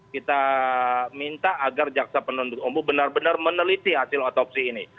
kita minta agar jaksa penuntut umum benar benar meneliti hasil otopsi ini